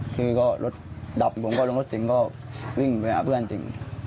คือก็รถดับผมก็ลงรถถึงก็วิ่งไปหาเพื่อนถึง